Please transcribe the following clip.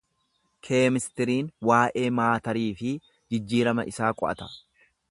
Keemistiriin waa’ee maatarii fi jijjiirama isaa qo’ata.